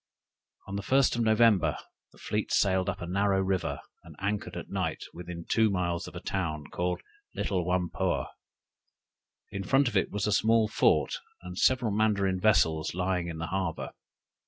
"On the first of November, the fleet sailed up a narrow river, and anchored at night within two miles of a town called Little Whampoa. In front of it was a small fort, and several Mandarin vessels lying in the harbor.